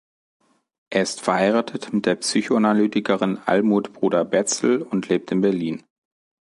Er ist verheiratet mit der Psychoanalytikerin Almuth Bruder-Bezzel und lebt in Berlin.